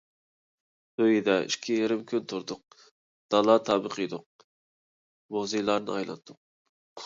ئۆيىدە ئىككى يېرىم كۈن تۇردۇق، دالا تامىقى يېدۇق، مۇزېيلارنى ئايلاندۇق.